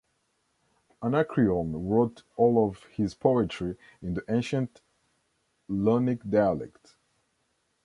Anacreon wrote all of his poetry in the ancient Ionic dialect.